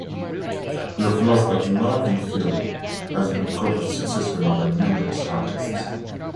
"You've Lost That Lovin' Feelin'" has been covered successfully by numerous artists.